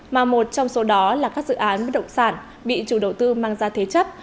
mà một trong số đó là các dự án bất động sản bị chủ đầu tư mang ra thế chấp